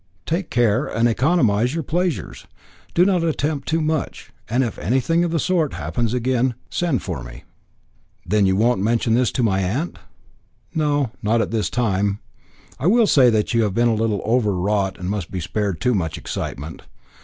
Take care and economise your pleasures. Do not attempt too much; and if anything of the sort happens again, send for me." "Then you won't mention this to my aunt?" "No, not this time. I will say that you have been a little over wrought and must be spared too much excitement."